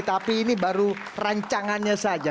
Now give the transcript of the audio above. tapi ini baru rancangannya saja